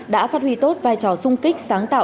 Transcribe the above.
đã phát huy tốt vai trò sung kích sáng tạo